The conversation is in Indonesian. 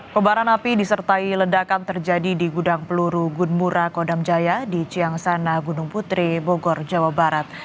pembaran api disertai ledakan terjadi di gudang peluru gunmura kodamjaya di ciang sana gunung putri bogor jawa barat